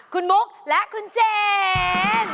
คุณมุกและคุณเจน